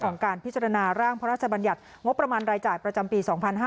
ของการพิจารณาร่างพรมงรจประจำปี๒๕๖๕